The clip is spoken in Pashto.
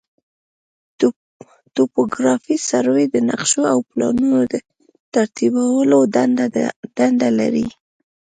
توپوګرافي سروې د نقشو او پلانونو د ترتیبولو دنده لري